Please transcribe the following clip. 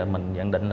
mình dặn định